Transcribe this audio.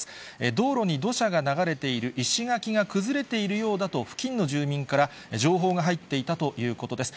道路に土砂が流れている、石垣が崩れているようだと、付近の住民から情報が入っていたということです。